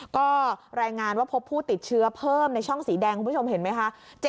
ก็รายงานว่าพบผู้ติดเชื้อเพิ่มในช่องสีแดงคุณผู้ชมเห็นไหมคะ